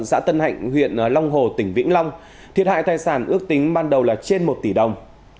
xã tân hạnh huyện long hồ tỉnh vĩnh long thiệt hại tài sản ước tính ban đầu là trên một tỷ đồng